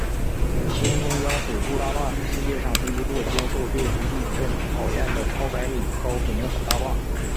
新丰江水库大坝是世界上第一座经受六级地震考验的超百米高混凝土大坝。